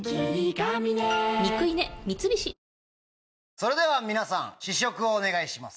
それでは皆さん試食をお願いします。